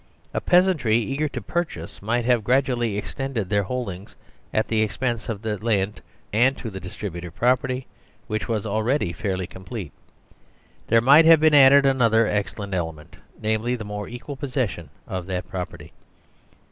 A peasantry eager to purchase might have gradually extended their holdings at the expense of the demesne land, and to the distribution of property, which was already fairly complete, there might have been added another excellent element, namely, the more equal possession of that property.